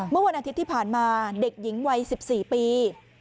เมื่อวันอาทิตย์ที่ผ่านมาเด็กหญิงวัย๑๔ปี